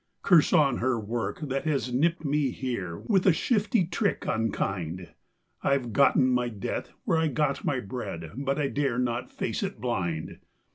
Curse on her work that has nipped me here with a shifty trick unkind I have gotten my death where I got my bread, but I dare not face it blind.